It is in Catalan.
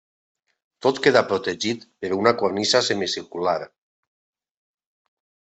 Tot queda protegit per una cornisa semicircular.